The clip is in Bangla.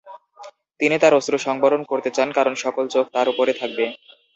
তিনি তার অশ্রুসংবরণ করতে চান কারণ সকল চোখ তার ওপরে থাকবে।